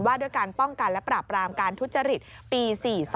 ด้วยการป้องกันและปราบรามการทุจริตปี๔๒